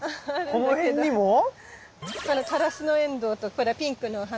このカラスノエンドウとほらピンクのお花。